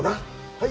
はい！